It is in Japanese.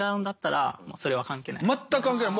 全く関係ない。